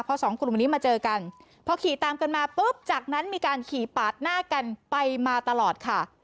พอสองกลุ่มนี้มาเจอกันพอขี่ตามกันมาปุ๊บจากนั้นมีการขี่ปาดหน้ากันไปมาตลอดค่ะ